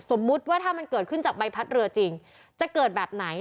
สมมุติว่าถ้ามันเกิดขึ้นจากใบพัดเรือจริงจะเกิดแบบไหน